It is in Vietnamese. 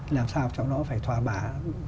làm sao cho nó phải thỏa bảo